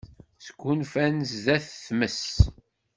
Sgunfan sdat tmes.